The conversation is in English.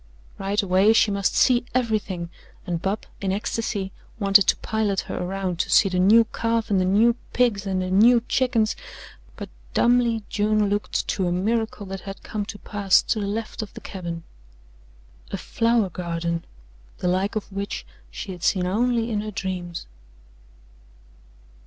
Right away she must see everything, and Bub, in ecstasy, wanted to pilot her around to see the new calf and the new pigs and the new chickens, but dumbly June looked to a miracle that had come to pass to the left of the cabin a flower garden, the like of which she had seen only in her dreams.